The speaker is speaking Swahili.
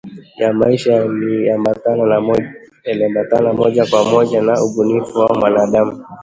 ya maisha yaliambatana moja kwa moja na ubunifu wa mwanadamu